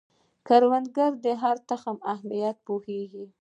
کروندګر د هر تخم اهمیت پوهیږي